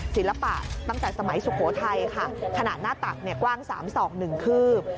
ศิลปะตั้งแต่สมัยสุโขทัยค่ะขนาดหน้าตักกว้าง๓ศอกหนึ่งคืบ